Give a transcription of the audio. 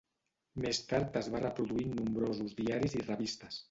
Més tard es va reproduir en nombrosos diaris i revistes.